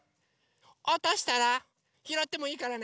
おとしたらひろってもいいからね。